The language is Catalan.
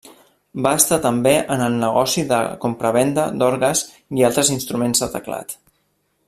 Va estar també en el negoci de compravenda d'orgues i altres instruments de teclat.